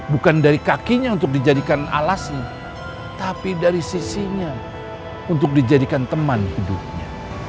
bukan dari kakinya untuk dijadikan alasi tapi dari sisinya untuk dijadikan teman hidupnya